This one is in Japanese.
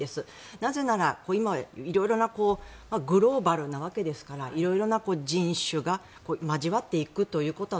なぜなら今、色々なグローバルなわけですから色々な人種が交わっていくということは